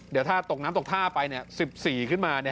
เดี๋ยวถ้าตกน้ำตกท่าไป๑๔ขึ้นมา